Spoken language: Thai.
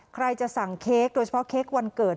ใครจะสั่งเค้กโดยเฉพาะเค้กวันเกิด